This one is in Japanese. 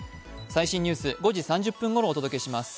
最新ニュース、５時３０分ごろお届けします。